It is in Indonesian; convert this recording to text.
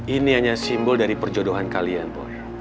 ini hanya simbol dari perjodohan kalian